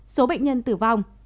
số bệnh nhân tử vong